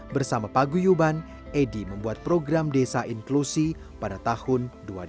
bersama paguyuban edy membuat program desa inklusi pada tahun dua ribu tujuh belas